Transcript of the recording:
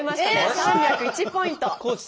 ３０１ポイント。